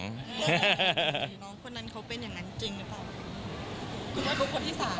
น้องคนนั้นเขาเป็นอย่างนั้นจริงหรือเปล่า